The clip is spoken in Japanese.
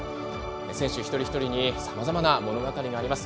選手一人ひとりにさまざまな物語があります。